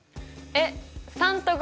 えっ。